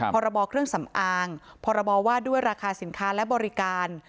พรบเครื่องสำอางพรบว่าด้วยราคาสินค้าและบริการ